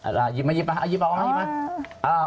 หยิบมาเอาหยิบมา